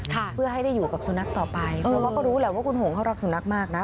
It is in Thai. เพื่อให้ได้อยู่กับสุนัขต่อไปเพราะว่าก็รู้แหละว่าคุณหงเขารักสุนัขมากนะ